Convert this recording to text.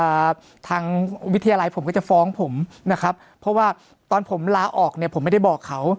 ทางวิทยาลัยผมก็จะฟ้องผมนะครับเพราะว่าตอนผมลาออกเนี่ยผมไม่ได้บอกเขา